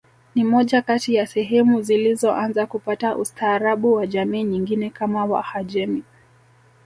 Ni moja kati ya sehemu zilizoanza kupata ustaarabu wa jamii nyingine kama wahajemi